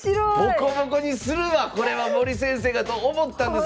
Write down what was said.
ボコボコにするわこれは森先生がと思ったんですが